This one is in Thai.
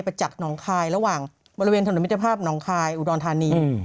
จากหนองคายระหว่างบริเวณถนนมิตรภาพหนองคายอุดรธานี